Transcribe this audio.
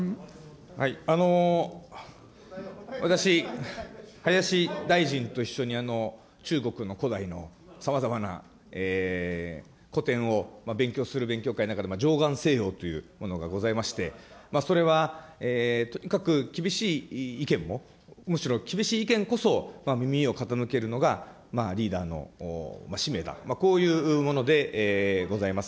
私、林大臣と一緒に中国の古代のさまざまなこてんを勉強する勉強会の中でじょうがんというものがございまして、それはとにかく厳しい意見も、むしろ厳しい意見こそ耳を傾けるのがリーダーの使命だ、こういうものでございます。